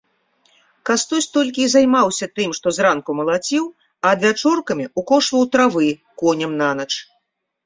Кастусь толькі і займаўся тым, што зранку малаціў, а адвячоркамі ўкошваў травы коням нанач.